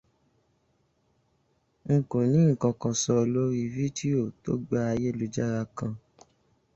N kò ni nǹkan kan sọ lórí fídíò to gba ayélujára kan.